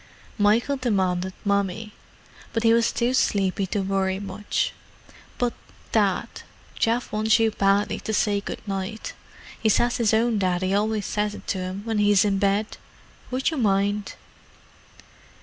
Michael demanded "Mummy," but he was too sleepy to worry much. But; Dad—Geoff wants you badly to say 'good night.' He says his own Daddy always says it to him when he's in bed. Would you mind?"